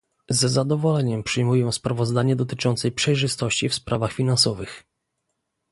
Z zadowoleniem przyjmuję sprawozdanie dotyczące przejrzystości w sprawach finansowych